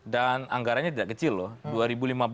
dan anggaranya tidak kecil loh